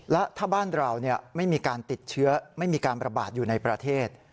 และถ้าบ้านเราไม่มีการติดเชื้อไม่มีการประบาดอยู่ในประเทศ